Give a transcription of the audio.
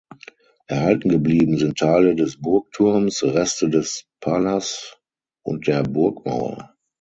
Erhalten geblieben sind Teile des Burgturms, Reste des Palas und der Burgmauer.